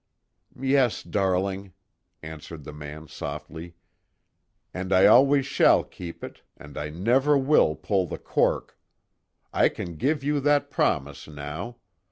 "Yes, darling," answered the man softly, "And I always shall keep it, and I never will pull the cork. I can give you that promise, now.